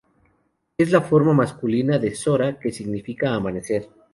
Es la forma masculina de "Zora", que significa "amanecer".